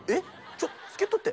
ちょ助っ人って？